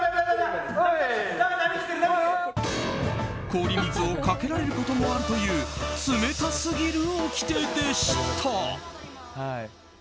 氷水をかけられることもあるという冷たすぎる掟でした。